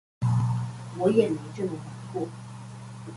我也沒這麼玩過